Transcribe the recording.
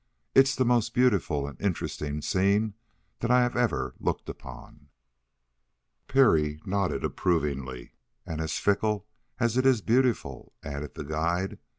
"It is the most beautiful and interesting scene that I have ever looked upon." Parry nodded approvingly. "And as fickle as it is beautiful," added the guide.